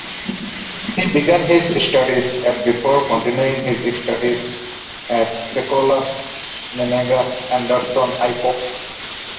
He began his studies at before continuing his studies at Sekolah Menengah Anderson Ipoh.